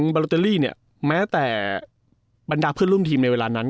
บาโลเตอรี่เนี่ยแม้แต่บรรดาเพื่อนร่วมทีมในเวลานั้น